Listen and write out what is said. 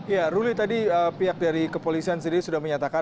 ya ruli tadi pihak dari kepolisian sendiri sudah menyatakan